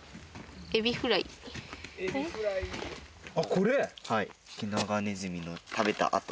これ？